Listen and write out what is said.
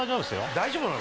大丈夫なの？